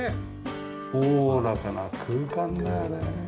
おおらかな空間だよね。